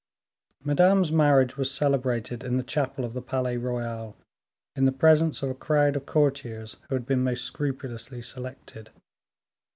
Madame's marriage was celebrated in the chapel of the Palais Royal, in the presence of a crowd of courtiers, who had been most scrupulously selected.